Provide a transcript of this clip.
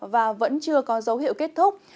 và vẫn chưa có dấu hiệu kết thúc